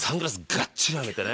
がっちりはめてね